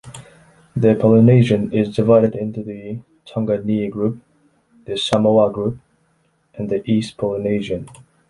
The Polynesian is divided into the “Tonga-Niue group”, the “Samoa group” and the “East Polynesian”.